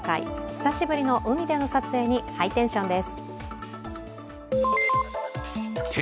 久しぶりの海での撮影にハイテンションです。